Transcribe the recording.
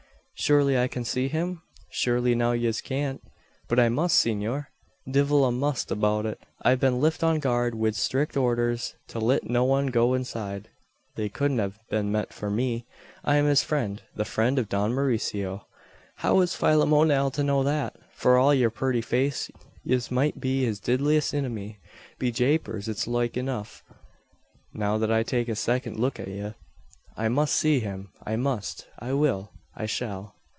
"Surely I can see him?" "Shurely now yez cyant." "But I must, senor!" "Divil a must about it. I've been lift on guard, wid sthrict ordhers to lit no wan go inside." "They couldn't have been meant for me. I am his friend the friend of Don Mauricio." "How is Phaylum Onale to know that? For all yer purty face, yez moight be his didliest innemy. Be Japers! its loike enough, now that I take a second luk at ye." "I must see him I must I will I shall!"